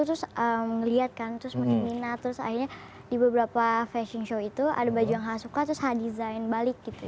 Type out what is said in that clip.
terus ngeliat kan terus makin minat terus akhirnya di beberapa fashion show itu ada baju yang h suka terus h design balik gitu